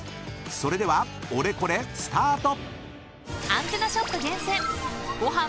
［それではオレコレスタート！］